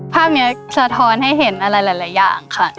ภาพนี้สะท้อนให้เห็นอะไรหลายอย่างค่ะ